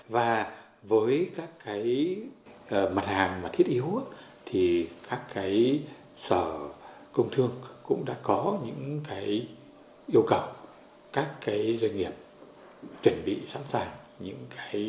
và với các mặt hàng thiết yếu các sở công thương cũng đã có những yêu cầu các doanh nghiệp chuẩn bị sẵn sàng